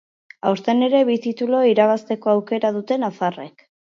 Aurten ere bi titulu irabazteko aukera dute nafarrek.